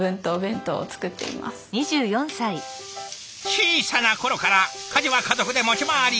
小さな頃から家事は家族で持ち回り。